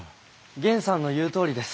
源さんの言うとおりです。